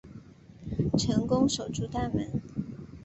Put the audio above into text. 成功守住大门